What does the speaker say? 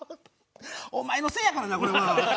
お前のせいやからなこれは。